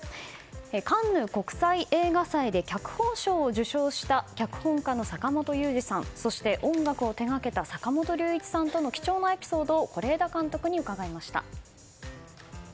カンヌ国際映画祭で脚本賞を受賞した脚本家の坂元裕二さん、そして音楽を手掛けた坂本龍一さんとの貴重なエピソードを是枝監督に伺いました。